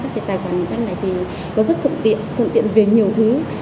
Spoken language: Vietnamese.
khi mà đã triển khai các cái tài khoản này thì có rất thượng tiện thượng tiện về nhiều thứ